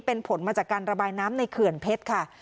เป็นผลมาจากการระบายน้ำในเขื่อนเพชรค่ะ